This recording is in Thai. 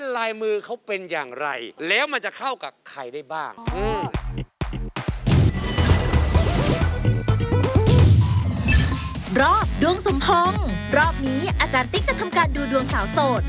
ดวงสมพงษ์รอบนี้อาจารย์ติ๊กจะทำการดูดวงสาวโสด